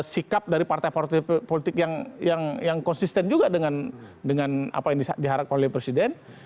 sikap dari partai partai politik yang konsisten juga dengan apa yang diharapkan oleh presiden